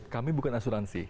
kami bukan asuransi